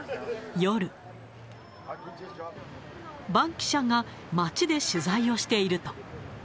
バンキシャが街で取材をしていると。